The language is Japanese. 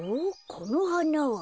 このはなは。